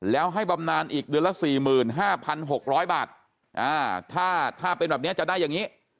แล้วให้บำนานอีกเดือนละ๔๕๖๐๐บาทถ้าเป็นแบบนี้จะได้อย่างนี้